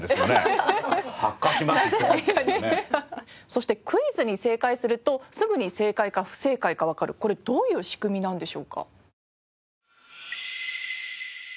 そしてクイズに正解するとすぐに正解か不正解かわかるこれどういう仕組みなんでしょうか？